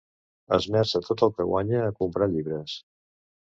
Esmerça tot el que guanya a comprar llibres.